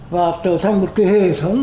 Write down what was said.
và trở thành một hệ thống